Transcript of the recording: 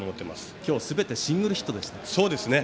今日すべてシングルヒットでした。